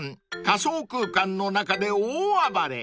仮想空間の中で大暴れ］